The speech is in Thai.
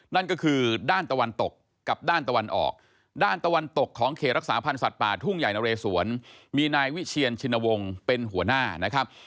นั่นก็คือด้านตะวันตกกับด้านตะวันออกด้านตะวันตกของเขตรักษาพันธ์สัตว์ป่าทุ่งใหญ่นะเรสวนมีนายวิเชียนชินวงศ์เป็นหัวหน้านะครับ